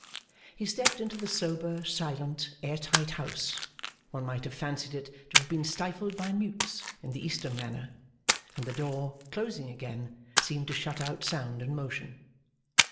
He stepped into the sober, silent, air tight house one might have fancied it to have been stifled by Mutes in the Eastern manner and the door, closing again, seemed to shut out sound and motion.